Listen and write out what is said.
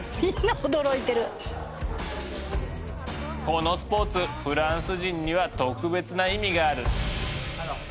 このスポーツフランス人には特別な意味がある。